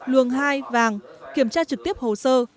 luồng hai vàng kiểm tra trực tiếp hồ sơ